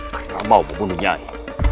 karena mau membunuh nyai